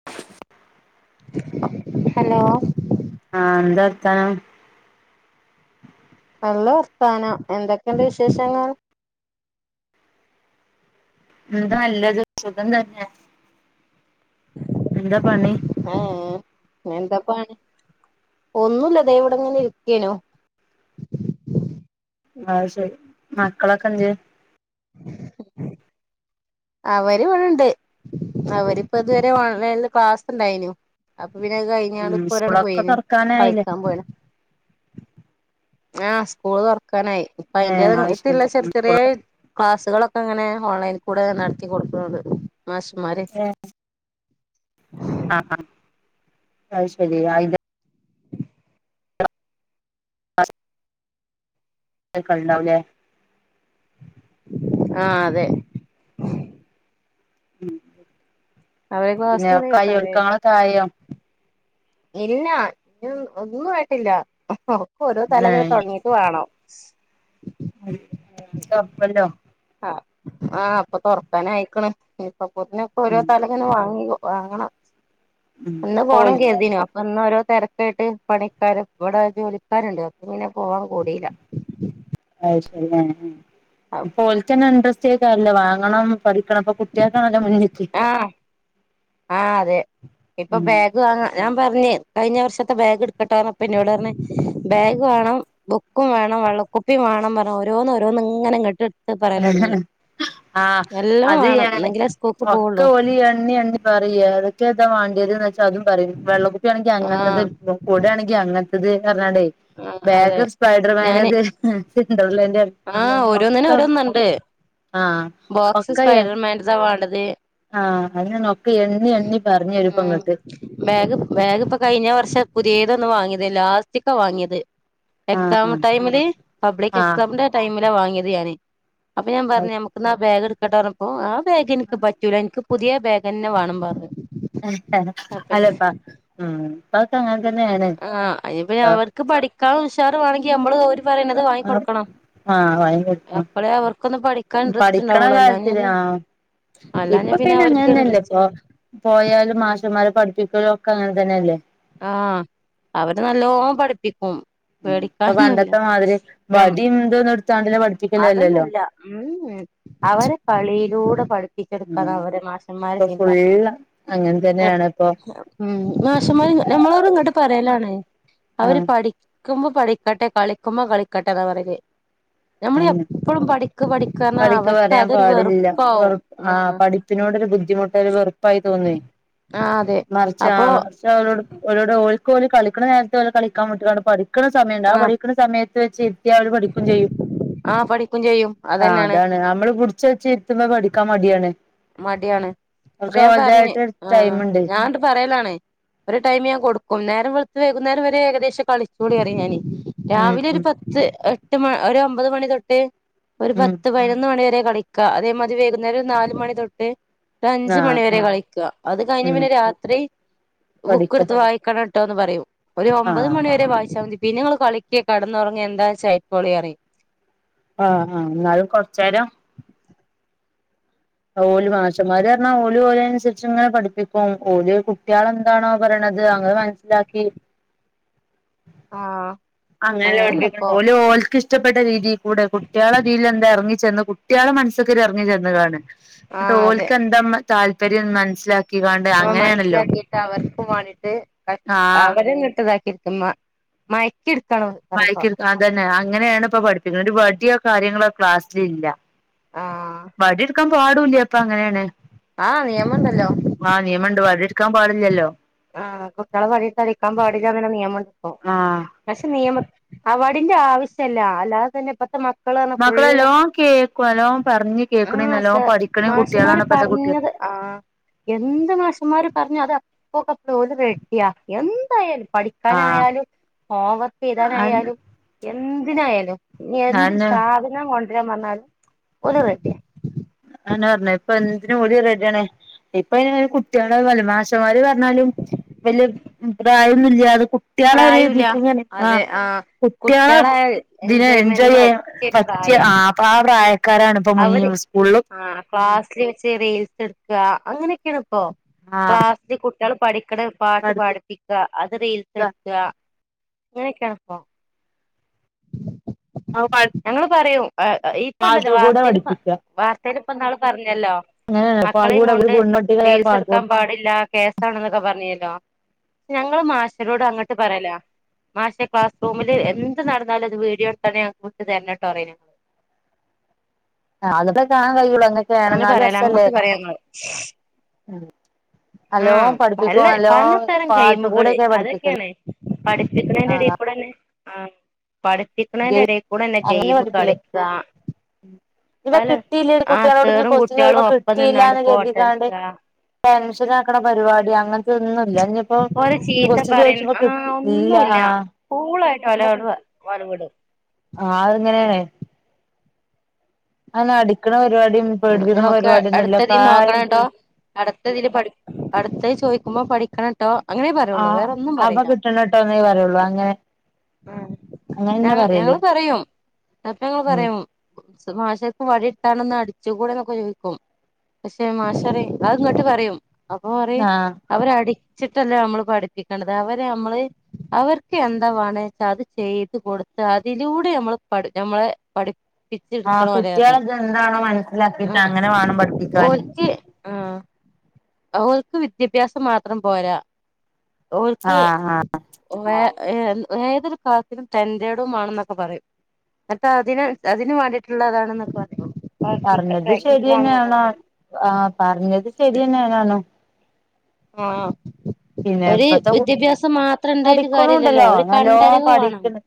[unintelligible] Hello ആഹ് എന്താ വർത്താനം. നല്ല വർത്താനം. എന്തൊക്കെയുണ്ട് വിശേഷങ്ങൾ എന്ത നല്ലത്. സുഖം തന്നെ. എന്താ പണി ആഹ് എന്ത പ്പണി. ഒന്നുമില്ല ത വിടെ എങ്ങനെ ഇരിക്കനു. അഹ് ശരി. മക്കളൊ ക്കെ എന്തെ അവര് വടണ്ട്. അവരിപ്പ ഇതു വരെ ഓൺലൈനില് ക്ലാസ് ഉണ്ടായിരുന്നു. അപ്പൊ പിന്നെ അത് കഴി ഞണ്ട് ഉം പ്പോ ഒരാണ്ട് സ്കൂളൊക്കെ പോയിന് തുറക്കാനായില്ലേ കളിക്കാൻ പോയി ണ് ആഹ് സ്കൂള് തുറക്കാനായി. ഇപ്പ അയിന്റെത് ഏഹ് അത് ഇപ്പൊ ശരി ഇല്ല ചെറിയ ചെറിയ സ്കൂളൊക്കെ ക്ലാസ്സുകളൊക്കെ ഇങ്ങനെ ഓൺലൈനിൽ കൂടെ നടത്തി കൊടുക്കണ്ട്. മാഷ് മാര ആഹ് ആഹ്, അത് ശരി ആയി ലെ. അ സ് [unintelligible] ആഹ് അതെ ഉം, അവരെ പിന്നെ ക്ലാസ്സുകള് ഒക്കെ ആയോ? കേട്ടാണ്ടേ ഒരുക്കങ്ങൾ ഒക്കെ ആയോ? ഇല്ല ഇ ഒന്നും ആയിട്ട് ഇല്ല. ഒക്ക ഓരോ തല ഏഹ് തുടങ്ങീട്ട് വേണം. [unintelligible] ആഹ് ആഹ് അപ്പൊ തുറക്കാന ആയിക്കണ്. നി ഇപ്പൊ അപ്പൊത്ത ന്നെ ക്ക ഉം ഓരോ തല. ന്ന് വാങ്ങി. വാങ്ങണം, ഉം ന്ന് പോണം ഓൽക്ക് കരുതിന്ന് അപ്പൊ ഓരോ തെരക്ക്. ഒക്ക ആയിട്ട്, പണിക്കാരും ഇവിടെ ജോലിക്കാരുണ്ട് അപ്പ ഇങ്ങനെ പോവാൻ കൂടിയില്ല. അത് ശരിയാണ് ഉം ഇപ്പോൽക്കെന്നെ ഇണ്ട്രസ് റ്റേക്കാര്ല്ലേ വാങ്ങണം പഠിക്കണം പ്പ കു [unintelligible] ആഹ് ആഹ് അതെ ഇപ്പ ബേ ഉം ഗ് വാണം ഞാൻ പർഞ്ഞ് കയ്ഞ്ഞ വർഷത്തെ ബേഗ്ട്ക്ക്ട്ടാേർഞ്ഞപ്പം ഇന്നോടർഞ്ഞ് ബേഗ് വാണം ബുക്കും വേണം വെള്ളക്കുപ്പിം വാണം പർഞ്ഞ് ഓരോന്നോരോന്ന്ങ്ങെനെ ഇങ്ങെട്ട് പറ്യേലാെട്ങ്ങി ആഹ് എല്ലാെം അത് വേണം ന്നെങ്കിലേ സ്കൂ ഒക്കെ ഓല് എണ്ണി എണ്ണി പറയും ഏതൊക്കെ താ മാണ്ട്യേത്‌ന്ന് വെച്ചാ അതും പറയും വെള്ളക്കുപ്പ്യാണെങ്കി ആഹ് അങ്ങൻത്തത് കുടേണെങ്കി അങ്ങൻത്തത് അർഞ്ഞാണ്ടേ ആഹ് അതെ ബേഗ് ഞാന് സ്പൈഡർമാന്റെത് സിന്റർലെന്റെ ആഹ് ഒക്ക ഓരോന്നിനും ഓരോന്നുണ്ട് ആഹ് ഒക്കയായ് മെൻസാ വാണ്ടെത് ആഹ് അതന്നർഞ്ഞെ ഒക്കെ എണ്ണി എണ്ണി ഉം പർഞ്ഞെരുംപ്പങ്ങെട്ട് ബാഗ് ബാഗ്പ്പം കയ്ഞ്ഞ വർഷം പുത്യേതൊന്ന് വാങ്ങ്യെതേ ലാസ്റ്റ്ക്കാ വാങ്ങ്യെത് എക്സാം ആഹ് ടൈമ്‌ല് ആഹ് പബ്ലിക്കെക്സാമ്ന്റെ ടൈമിലാ വാങ്ങ്യത് ഞാന് അപ്പം ഞാൻ പർഞ്ഞ് നമുക്ക്ന്നാ ആ ബേഗ് ഇട്ക്കട്ടാേർഞ്ഞപ്പം ആ ബേഗ് ഇൻക്ക് പറ്റൂല ഇൻക്ക് പുത്യേ ബേഗെന്നെ വാണം പർഞ്ഞ് അല്ലപ്പാ ഊം ഇപ്പാെക്കെ അങ്ങൻ തന്നേണ് ആഹ് അയ്ന്പ്പഞ്ഞവർക്ക് പഠിക്കാൻള്ള ഉഷാറ്‌വാണെങ്കി നമ്മള് ഓര് പറയ്ണത് വാങ്ങി ആഹ് കൊട്ക്കണം വാങ്ങി കൊടുക്കണം അപ്പളേ അവർക്കൊന്ന് പഠിക്കാൻ പഠിക്കണ ഇൻട്രെസ്റ്റ്ണ്ടാവാെള്ളു കാര്യത്തില് അല്ലാഞ്ഞാല് ആഹ് ഇപ്പൊ അല്ലാഞ്ഞാ പിന്നെ അവര്ക്ക് അങ്ങനെന്നല്ലേ ഇപ്പൊ ഇൻട്രെസ്റ്റ്ല്ലല്ലോ പോയാലും മാഷമ്മാര് പഠിപ്പിക്കലും ഒക്കെ അങ്ങനെ തന്നെല്ലെ ആഹ് അവര് നല്ലോം പഠ്പ്പിക്കും ഉം ഇപ്പ പണ്ടത്തെ മാതിരി വടിം തൊന്നുംട്ത്താണ്ട്ല്ല പട് അതൊന്നു അല്ലാ ഊംഉം അവരെ കളിയിലൂടെ പഠ് പ്പിച്ചെട്ക്കാന്നവരെ മാഷന്മാരെ ചിന്ത അങ്ങൻതന്നെയാണ്പ്പോ ഉം മാഷന്മാര് ഞമ്മളോട് ഇങ്ങെട്ട് പറ്യേലാണ് അവര് ആഹ് പഠി ക്കുമ്പം പഠിക്കട്ടെ കളിക്കുമ്പം കളിക്കട്ടെന്നാ പറ്യല് അതന്നെ പഠിക്ക് പറഞ്ഞാ പഠിക്കാം അവർക്ക് പറയാൻ അതൊരു പാടില്ല വെറുപ്പാവും ആഹ് പഠി പ്പിനോടടൊരു ബുദ്ധിമുട്ട് ഒര് വെറ്പ്പായി തോന്ന്വേ അതെ മറിച്ച് അപ്പൊ ആഹ് ക്ഷെ ഓലോട് ഓലോട് ഓൽക്ക് ഓല് കളിക്ക്ണ നേര്ത്ത് ഓലെ കളിക്കാം വിട്ട്ങ്ങാണ്ട് പഠി ക്ക്ണ സമയണ്ട് ആ ആഹ് പഠിക്ക്ണ സമയത്ത് വെച്ച് ഇര്ത്ത്യാ അവര് പഠിക്കും ചെയ്യും ക്കും ചെയ്യും ആഹ് അതന്നെയാണ് അതാണ് അമ്മള് പുട്ച്ചെച്ച് ഇര്ത്തുമ്പം പഠിക്കാം മട്യാണ് മട്യാണ് അപ്പം ഞാൻ പർഞ്ഞ് ആഹ് ടൈമുണ്ട് ഞാൻ ന്ന്ട്ട് പറ്യേലാണ് ഒര് ടൈമ് ഞാൻ കൊട്ക്കും നേരം വെൾത്ത് വൈകുന്നേരം വെരേ ഏകദേശം കളിച്ചോളിറയും ഞാന് ഉം രാവിലെ ഒര് ഉം പ ത്ത് എട്ട് മ ഒര ഒമ്പത് മണി തൊട്ട് ഒരു ഉം പത്ത് പയ്നൊന്ന് മണി വെരേ കളി ക്കാ അതേമാത്‌രി വൈകുന്നേരാെര് നാല് മണി തൊട്ട് ഒരഞ്ച് ആഹ് മണി വെരേ ആഹ് കളിക്കാ അത് കയ്ഞ്ഞ് ഉം പിന്നെ രാത്രി പഠിക്ക ബുക്ക്ട്ത്ത് വായിക്കണം ട്ടോന്ന് പറയും ഒരു ഒമ്പത് ആഹ് മണിവെരേ വായിച്ചാ മതി പിന്നെ ഇങ്ങെള് കളിക്കേ കടന്നൊർങ്ങേ എന്താച്ചായ്ക്കോളീ പറയും ആഹ് ആഹ് ന്നാലും കൊർച്ചേരം ഓല് മാഷമ്മാര്ർഞ്ഞാ ഓലും ഓലൻസര്ച്ച്ങ്ങെനെ പഠിപ്പിക്കും ഓല് കുട്ട്യാളെന്താണോ പറയ്ണെത് അങ്ങ് മൻ സ്സ്ലാക്കി ആഹ് അങ്ങനെല്ല അങ്ങനെന്നെ പഠിപ്പിക്ക്ണ് ഇപ്പൊ ഓല് ഓൽക്ക് ഇഷ്ടപ്പെട്ട രീതികൂടെ കുട്ടികളെ ഇതീൽ എന്താ ഇറങ്ങി ചെന്ന് കുട്ടികളെ മനസ്സ്ക്ക് ഇറങ്ങി ചെന്ന് കാണ് ന്നിട്ട് ആഹ് അതെ ഓൽക്ക് എന്താ താല്പര്യം മനസ്സിലാക്കി അപ്പോ മനസ്സിലാക്കിട്ട് അവർക്കും വാണ്ടിട്ട് ആഹ് അവര് [unintelligible] മയ ക്കിടുക്കണം മയക്കി എടു അതന്നെ അങ്ങനെയാണ് ഇപ്പോ പഠിപ്പിക്ക്ണത് ഒരു വടിയോ കാര്യങ്ങളോ ക്ലാസ്സിലില്ല ആഹ് വടിടുക്കാൻ പാടുല്ല ഇപ്പ അങ്ങനെയാണ് ആഹ് നിയമംണ്ടല്ലോ ആഹ് നിയമണ്ട് വടി എടുക്കാൻ പാടില്ലല്ലോ ആഹ് കുട്ടികളെ വടി അടിക്കാൻ പാടില്ല എന്ന നിയമമുണ്ട് ഇപ്പോ ആഹ് പക്ഷെ നിയമം അ വടിന്റെ ആവശ്യല്ല അല്ലാതെ തന്നെ ഇപ്പത്തെ മക്ക മക്കളാണ് മക്കള് ഫുള്ള് നല്ലോം കേക്കും നല്ലോം പറഞ്ഞ് ആ കേക്കണേ നല്ലോം പഠിക്കണേം കുട്ടികളാണ് മാഷ്മാര് ഇപ്പത്തെ കുട്ടികൾ പറഞ്ഞത് ആഹ് എന്ത് മാഷുമാര് പറഞ്ഞു അത് അപ്പക്കപ്പെളെ അപ്പോ ഓല് റെഡിയ എന്തായാലും ആഹ് പഠിക്കാനായാലും ഹോംവർക്ക് അതെന്നെ എഴുതാനായാലും എന്തിനായാലും ഇനി എന്തൊരു അതെന്നെ സാധനം കൊണ്ടുവരാൻ പറഞ്ഞാലും ഓല് റെഡിയാ അയന്നെ പറഞ്ഞത് ഇപ്പം എന്തിനും ഓല് റെഡിയാണ് ഇപ്പൊ അയിന് പിന്നെ കുട്ടികളെ മാഷമ്മാര് പറഞ്ഞാലും വല്യ പ്രായൊന്നുല്ല്യാതെ കുട്ട്യാളെ ഒരു പ്രായൂല്ല ഇതിക്ക് ഇങ്ങനെ ആ അതെ ആഹ് കുട്ട്യാളെ കുട്ടികളെ ഇതിനെ എൻജോയ് എൻജോയ്മെന്റിന് ചെയ്യാൻ പറ്റിയൊരു പറ്റിയ പ്രായാ ആ ഇപ്പം ആ പ്രായക്കാരാണ് ഇപ്പൊ അവര് മുയ്മം സ്കൂളില് ക്ലാസ്സില് വെച്ച് റീൽസ് എടുക്ക അങ്ങനെയൊക്കെയാണ് ഇപ്പോ ആഹ് ക്ലാ ഇ കുട്ടികള് പഠിക്കണ് പാട്ട് പാട പഠിപ്പിക്കുക ക്ക അത് റിൽസ് എടുക്ക അങ്ങനെയൊക്കെ ആണിപ്പോ [inaudible] [unintelligible] ഞങ്ങള് പറയൂ ഇപ്പൊ ഉണ്ടല്ലോ പാടത്ത് കൂടെ വാർത്തെല് പ പഠിപ്പിക്കുക വാർത്തെല്ലോ ഇപ്പ ഇന്നാള് പറഞ്ഞല്ലോ അങ്ങനെയാണ് മക്കളെയും പാൽകൂട കൊണ്ട് പെൺകുട്ടികളായാലും റിൽസ് പാൽകൂട എടുക്കാൻ പാടില്ല കേസാണെന്നൊക്കെ പറഞ്ഞില്ലോ ഞങ്ങള് മാഷരോട് അങ്ങട്ട് പറയലാ മാഷെ ക്ലാസ് റൂമില് എന്ത് നടന്നാലും അത് വീഡിയോ എടുത്തണ്ട് ഞ വിട്ട് തരനോട്ടോ പറയിനു ആ അതൊക്കെ കാണാൻ കഴിയുള്ളൂ എന്നൊക്കെ അങ്ങനെ എന്നാലും പറയല രസല്ലേ അങ്ങോട്ട് പറയാ ആഹ് ആഹാ പല്ല പല തരം പാട്ട് ഗെയിമുകള് കൂടെയൊക്കെ പഠിപ്പിക്കല് അതൊക്കെയാണ് പഠിപ്പിക്കണൻ്റെ ഇടയി ആഹ് ടയി ആ ഗെ പഠിപ്പിക്കിണീന്റെ എടാ കൂടെ തന്നെ ആ പഠിപ്പിക്കണന്റെ ഇടയി കൂടെന്നെ ഗെയിം കളിക്കാ ഇതാ കിട്ടിയില്ലെന്ന് കുട്ടികളോട് ഇഞ്ഞ് സേറും കൊസ്റ്റ്യൻ കുട്ട്യാളും ചോയിക്കുമ്പോ ഒപ്പം നിന്നാണ്ട് കിട്ടിയില്ലാന്ന് കരുതിക്കാണ്ട് ഫോട്ടട്ക്ക ടെൻഷൻ ആക്കണ പരിപാടി അങ്ങനത്തെ ഒന്നുല്ല ഇനിപ്പോ ഓലെ ചീത്ത ക്വസ്റ്റ്യൻ പറയ ചോദിച്ച ആഹ് കിട്ടി ഇല്ല ഒന്നുല്ല ആഹ് കൂളായിട്ട് ഒലെ [unintelligible] ആ അതങ്ങനെയാണ് അന്ന് അടിക്കണ പരിപാടിയും പേടിപ്പിക്കണ ഞമ്മക്ക് പരിപാടിയൊന്നുല്ല അടുത്തതീ കാര്യ നോക്കണട്ടോ അടുത്തതില് പഠി അടുത്തത് ചോയിക്കുമ്പോ പഠിക്കണം ട്ടോ അങ്ങനെ പറയുള്ളൂ ആഹ് വേറെന്നും അവ പറയില്ല കിട്ടണട്ടോന്നേ പറയുള്ളൂ അങ്ങനെ ആ ഞ അങ്ങനെന്നെ പറയല് ഞങ്ങള് പറയും അപ്പം ഞങ്ങള് ഉം പറയും മാഷക്കക്ക് വടി ഒന്ന് അടി [unintelligible] കൂടെന്നൊക്കെ ചോദിക്കും പക്ഷെ മാഷ് പറയും അത് ഇങ്ങട്ട് പറയും അപ്പൊ പറയും ആഹ് അവരെ അടിച്ചിട്ടല്ല നമ്മള് പഠിപ്പിക്കണത് അവരെ നമ്മള് അവർക്ക് എന്താ വേണേച്ച അത് ചെയ്ത് കൊടുത്ത് അതിലൂടെ ഞമ്മൾ പഠി ഞമ്മളെ പഠി ടിക് ആഹ് കുട്ടികളക്കെ എന്താണോ മനസ്സിലാക്കിട്ട് അങ്ങനെ വേണം പഠിപ്പിക്കാന് ഉം ഓല്ക്ക് വിദ്യാഭ്യാസം മാത്രം പോരാ ഓല്ക്ക് ആഹ് ആഹ് ഓ യ ഏഹ് ഏതൊരു ക്ലാസ്സിനും തൻ്റേടം വേണെന്നൊക്കെ പറയും [unintelligible] അതിന് അതിന് വേണ്ടിയിട്ടുള്ളതാണെന്നൊക്കെ പറയൂ- പറഞ്ഞത് പറയും ശരിന്നെയാണാണും പറഞ്ഞത് ശരിയന്നെന്നെയാണ് ആഹ് പിന്നെ ഒരു ഇപ്പത്തെ വിദ്യാഭ്യാസം മാത്രം ഉണ്ടായിട്ട് കാര്യല്ലല്ലോ പഠിക്കണുണ്ടല്ലോ ഒരു നല്ലോ കണ്ടറിവ് വേണം പഠിക്കണ്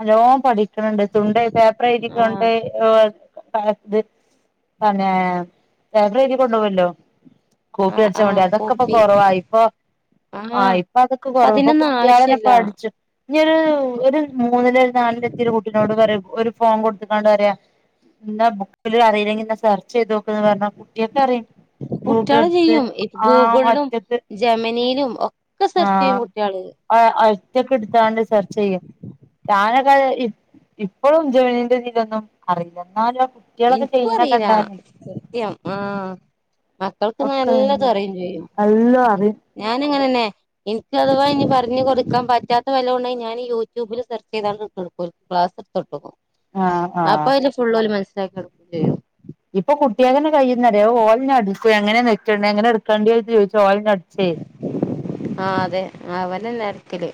നല്ലോം പഠിക്കണണ്ട് തുണ്ടെ പേപ്പർ എഴുതി കൊണ്ട് ആഹ് ഓ [unintelligible] പന്നെ പേപ്പർ കൊണ്ടുവല്ലോ കോപ്പി ആഹ് അടിച്ച ആഹ് കൊണ്ടോയി അതൊക്കെപ്പൊ കോപ്പി കുറവായിപ്പൊ ആഹ് ഇപ്പൊ അതൊക്കെ കുറവ ഇപ്പൊ അതിനൊന്നും കുട്ടികളനെ ആവശ്യല്ല പഠിച്ചു ഇയു ഒരു ഒരു മൂന്നില് നാലിലെത്തിയൊരു കുട്ടിനോട് പറയാ ഒരു ഫോം കൊടുത്തക്കാണ്ട് പറയാ എന്നാ ബുക്കില് അറില്ലെങ്കിൽ എന്നാ സെർച്ച് ചെയ്ത് നോക്ക്ന്ന് പറഞ്ഞാ കുട്ടിയക്കറിയ ഗൂഗിൾ കുട്ടികള് എടുത്ത് ആഹ് അറ്റത്ത് ജെമ്മനിലും ഒക്കെ സെർച്ചയ്യും കുട്ടികള് ആഹ് [unintelligible] എടുത്താണ്ട് സെർച്ചെയും ഞാനൊക്കേ ഇ ഇപ്പോഴും ജമനിന്റെ ഇതിലൊന്നും അറിയില്ല ന്നാലും കുട്ട്യാളെക്കെ എനിക്കും ചെയ്യണ അറിയില്ല കണ്ടാലേ സത്യം ആഹ് മക്കൾക്ക്ങ്ങനെ ഒക്കെ എല്ലാതും അറിയേം ചെയ്യും എല്ലാം അറിയും ഞാനങ്ങനെന്നെ എനിക്ക് അഥവാ ഇനി പറഞ്ഞു കൊടുക്കാൻ പറ്റാത്ത വെല്ലോം ഒണ്ടങ്കി ഞാനി യൂട്യൂബില് സെർച്ച് ചെയ്താണ്ട് കൊടുക്കല് ക്ലാസ് [unintelligible] ആഹ് അപ്പ ആഹ് അയില് ഫുള്ളോല് മനസ്സിലാക്കി എടുക്കേം ചെയ്യും ഇപ്പൊ കുട്ടിയാൾ തന്നെ ങ്ങനെ കഴ്യുന്ന ഓലന്നെ അടിച്ചു എങ്ങനെ നെക്കണ്ട എങ്ങനെ എടുക്കേണ്ടി ചോദു ഓനന്നെ അടിച്ചേ ആഹ് അതെ അവരന്ന അരക്കല്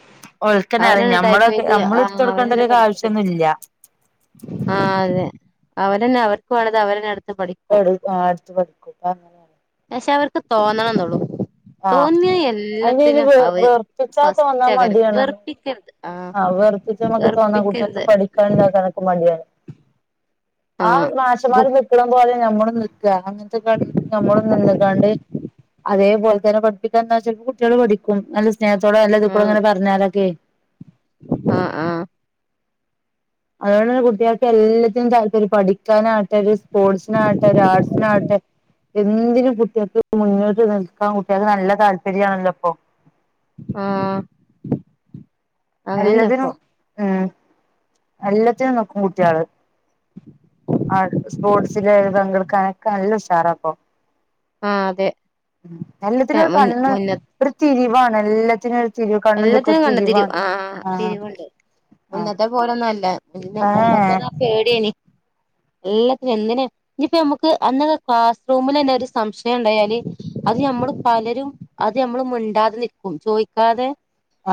ഓൽക്കന്നെ അറിയാം അവനന്ന ഞമ്മളൊക്കെ ടൈപ്പയ്ത് നമ്മള് ആ എടുത്ത് കൊടുക്കേണ്ട അവനെന്നെ ഒരു പഠിപ്പിച്ചെടുക്കും ആവശ്യൊന്നുല്ല ആഹ് അതെ അവരന്നെ അവർക്ക് വേണ്ടത് അവരന്നെ എടുത്ത് പഠിക്കും എടുത്ത് പഠിക്കും അങ്ങനെ പക്ഷെ അവർക്ക് തോന്നണം എന്നള്ളു ആഹ് തോന്നിയ അതിന് ഇനി എല്ലാത്തിനും വെ അവര് വെറുപ്പിച്ചാ ഫസ്റ്റ [unintelligible] വെറുപ്പിക്കരുത് ആ വെറുപ്പിച്ച നമക്ക് തോന്നാം കുട്ടികൾക്ക് വെറുപ്പിക്കരുത് പഠിക്കാൻ കണക്കക്ക് മടിയാണ് ആ ആഹ് മാശമാര് ബുക്ക് നിൽക്കണം പോലെ നമ്മളും നി അങ്ങനത്തെ കളിക്ക് നമ്മൾ നിന്നക്കാണ്ട് അതേപോലെ പഠപ്പിക്കാ എന്ന് വെച്ചപ്പോ കുട്ടികൾ പഠിക്കും നല്ല സ്നേഹത്തോടെ നല്ല ഇത കൂടെ അങ്ങന പറഞ്ഞാലൊക്കെ ആഹ് ആഹ് അതുകൊണ്ട് തന്നെ കുട്ടിയൾക്ക് എല്ലാറ്റിനും താല്പര്യാ പഠിക്കും [unintelligible] ആട്ടെ ഒരു സ്പോർട്സിനട്ടെ ഒരു ആർട്സിനട്ടെ എന്തിനും കുട്ടിൾക്ക് മുന്നോട്ട് നിൽക്കാൻ കുട്ടേൾക്ക് നല്ല താല്പര്യം ആണല്ലോ ഇപ്പൊ ആഹ് എല്ലാതിനും ഉം എല്ലത്തിനും നിക്കും കുട്ടേള് ആ സ്പോർട്സില് പങ്കെടുക്കാനൊക്ക നല്ല ഉഷാറപ്പൊ ആ അതെ എല്ലാത്തിനുംരു മുന്ന കണ്ണ് മുന്ന ഒരു തിരിവാണ് എല്ലാത്തിനും തിരിവ് കണ്ണുംന്തൊക്കെ ഒരു എല്ലാത്തിനും കണ്ടത്തിരൂ തിരിവാണ് ആ ആഹ് തിരിവുണ്ട്. ആഹ് മുന്നത്തെ പോല ഒന്നല്ല മന്ന ഏഹ് മുമ്പൊക്കെന്നാ പേടെനി എല്ലാത്തിനും എന്തിന്. ഇഞ്ഞിപ്പോ നമുക്ക് അന്നെ ക്ലാസ് റൂമിലെന്നെ ഒരു സംശയം ഉണ്ടായാല്. അത് നമ്മള് പലരും. അത് നമ്മള് മിണ്ടാതെ നിക്കും ചോദിക്കാതെ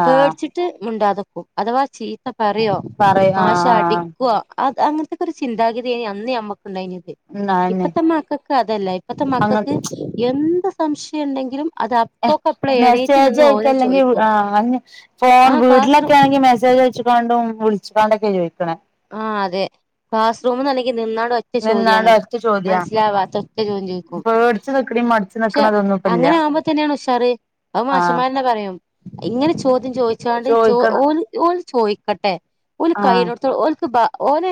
ആഹ് പേടിച്ചിട്ട് മുണ്ടാതനിക്കും അഥവാ ചീത്ത പറയോ പറയ് മാശ് ആഹ് അടിക്കുവോ അത് അങ്ങനത്തെക്കെ ഒരു ചിന്താഗതിയ അന്ന് ഞമ്മക്ക്ണ്ടായെനിത് ന്നാന്നെ ഇപ്പത്തെ മക്കക്ക് അതല്ല ഇപ്പത്തെ അങ്ങ മക്കക്ക് എന്ത് സംശയം ഉണ്ടെങ്കിലും അത് അ.. മെസ്സേജ് അയിക്ക അല്ലെങ്കി ആ ഫോൺ ആ ക്ലാസ് റൂം വീട്ടിലൊക്കെ ആണെങ്കി മെസ്സേജ് അയ്ച്കാൻണ്ടും വിളിച്കാണ്ടൊക്കെ ചോദിക്കണേ. ആഹ് അതെ ക്ലാസ്റൂം ന്നാണെങ്കി നിന്നോട വ- ഒറ്റ ചോദ്യാണ് നിന്നാണ്ട് ഒറ്റ ചോദ്യാ മനസ്സിലാവാത്ത ഒറ്റ ചോദ്യം ചോദിക്കും. പേടിച്ച് നിക്കണേം മടിച്ച് ക്ഷെ. നിക്കണതൊന്നും ഇപ്പ ഇല്ല അങ്ങനെ ആകുമ്പ തന്നെണ് ഉഷാറ്. അഹ് ആഹ് മാഷന്മാരന്നെ പറയും ഇങ്ങനെ ചോദ്യം ചോദിച്ചോണ്ട് ച്ചോ ചോദിക്കണം ഓൽ ഓൽ ചോദിക്കട്ടെ. ഉഓ കൈ ആഹ് നോടുത്തോ ഓക്ക് ബ ഓല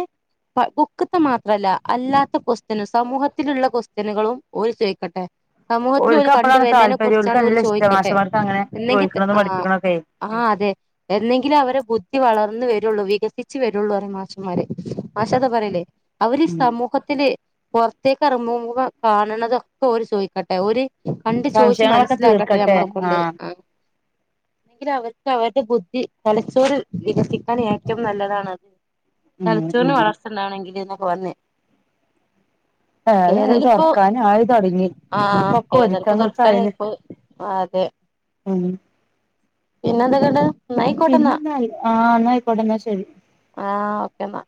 ബുക്ക്‌ത്തെ മാത്രല്ല അല്ലാത്ത കൊക്വസ്റ്റന. സമൂഹത്തിലുള്ള ക്വസ്റ്റ്യനുകളും ഓല് ചോയ്ക്കട്ടെ. സമൂഹത്തിൽ ഓല് ഓൽക്ക് കണ്ട അപ്പളാണ് വരുന്നതിനെ താല്പര്യം ഓൽക്ക് കുറിച്ചാണ് ഓല് നല്ല ഇഷ്ട ചോയ്ക്കട്ടെ മാഷന്മാർക്ക് അങ്ങനെ ഇന്നെങ്കി ചോദിക്കണതും ആ പഠിപ്പിക്കണൊക്കെ ആഹ അതെ. എന്നെങ്കിലെ അവരെ ബുദ്ധി വളർന്ന് വരുള്ളൂ വികസിച്ച് വരുള്ളൂ ഒേ മാസം മാര് മാശാദ പറല് അവര് ഉം സമൂഹത്തിലെ.. പൊറത്തേക്കറങ്ങുഭം കാണണതൊക്കെ ഓര് ചോയ്ക്കട്ടെ ഓര് കണ്ട് ചോദിച്ചു സംശയങ്ങളൊക്കെ മനസ്സിലാക്കട്ടെ തീർക്കട്ടെ നമ്മളെ കൊണ്ട് ആഹ് ആഹ ഇത് അവർക്ക് അവരുടെ ബുദ്ധി തലച്ചോറ് വികസിക്കാൻ ഏറ്റവും നല്ലതാണത് ഉം തലച്ചോറിന് ഉം വളർച്ചണ്ടാണെങ്കിൽ ന്നൊക്കെ പറഞ്ഞു ഏ അത് തുറക്കാൻ ആയി തുടങ്ങി ആഹ ഇനിയിപ്പൊക്കെ ഏതയാലും പ്പൊ ഒരുക്കങ്ങൾക്കായിന് തുറക്കാനായിക്കും അതെ ഉം പിന്നെ എന്തൊക്കണ്ട് പിന്നെന്തായി ആഹ എന്ന ആയിക്കോട്ടെ എന്നാ ശരി ആഹ ഓക്കെെന്ന